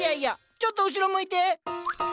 ちょっと後ろ向いて。